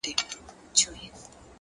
د فکر نظم د پرېکړې کیفیت لوړوي,